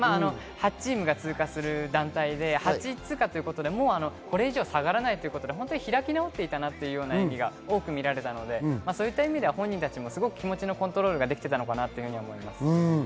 ８チームが通過する団体で８位通過ということで、これ以上下がらないということで開き直っていたなという演技が多く見られたので、そういった意味では本人達も気持ちのコントロールがすごくできていたなと思います。